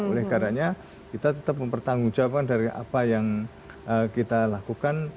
oleh karenanya kita tetap mempertanggung jawaban dari apa yang kita lakukan